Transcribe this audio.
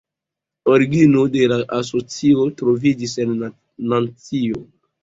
Origino de la asocio troviĝis en Nancio.